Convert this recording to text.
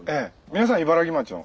皆さん茨城町の？